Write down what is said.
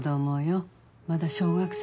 まだ小学生の。